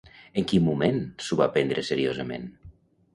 En quin moment s'ho va prendre seriosament?